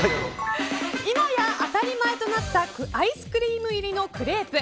今や、当たり前となったアイスクリーム入りのクレープ。